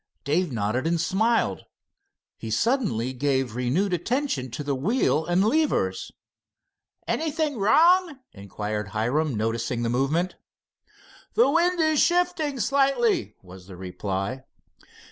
Dave nodded and smiled. He suddenly gave renewed attention to wheel and levers. "Anything wrong?" inquired Hiram, noticing the movement. "The wind is shifting slightly," was the reply.